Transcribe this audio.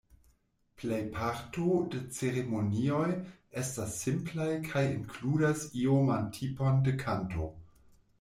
Plej parto de ceremonioj estas simplaj kaj inkludas ioman tipon de kanto.